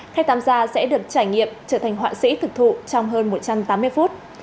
khách tham gia sẽ được trải nghiệm trở thành họa sĩ thực thụ trong hơn một trăm tám mươi phút